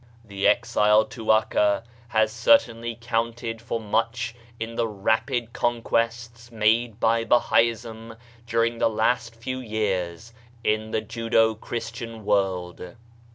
The exile to 'Akka has certainly counted for much in the rapid conquests made by Bahaism during the last few years in the Judo Christian world.